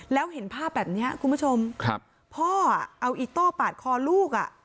แล้วเห็นภาพแบบนี้คุณผู้ชมครับพ่อเอาอิโต้ปาดคอลูกอ่ะ